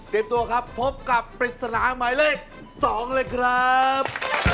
ตัวครับพบกับปริศนาหมายเลข๒เลยครับ